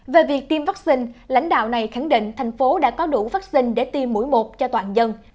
về việc tiêm vaccine lãnh đạo này khẳng định thành phố đã có đủ vaccine để tiêm mũi một cho toàn dân